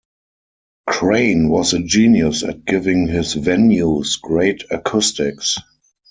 Crane was a genius at giving his venues great acoustics.